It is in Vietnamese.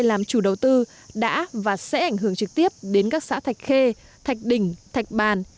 làm chủ đầu tư đã và sẽ ảnh hưởng trực tiếp đến các xã thạch khê thạch đỉnh thạch bàn